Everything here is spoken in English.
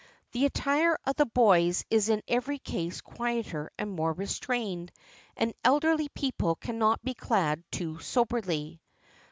The attire of the boys is in every case quieter and more restrained, and elderly people cannot be clad too soberly.